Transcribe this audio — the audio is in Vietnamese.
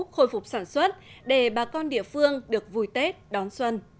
khôi phục sản xuất để bà con địa phương được vui tết đón xuân